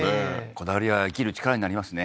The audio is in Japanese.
こだわりは生きる力になりますね